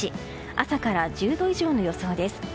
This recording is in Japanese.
朝から１０度以上の予想です。